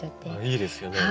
いいですよね。